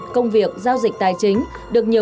không để mà lách cái chân được